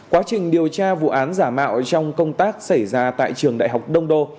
quá trình điều tra vụ án giả mạo trong công tác xảy ra tại trường đại học đông đô